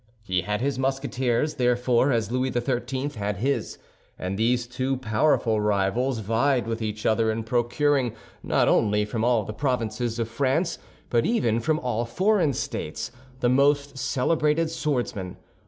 He had his Musketeers therefore, as Louis XIII. had his, and these two powerful rivals vied with each other in procuring, not only from all the provinces of France, but even from all foreign states, the most celebrated swordsmen.